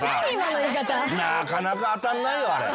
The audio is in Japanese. なかなか当たんないよあれ。